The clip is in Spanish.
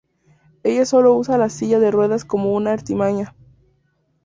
Ella sólo usa la silla de ruedas como una artimaña.